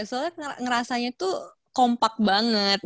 soalnya ngerasanya tuh kompak banget